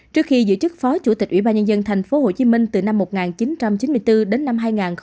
trước khi giữ chức phó chủ tịch ủy ban nhân dân thành phố hồ chí minh từ năm một nghìn chín trăm chín mươi bốn đến năm hai nghìn một mươi bốn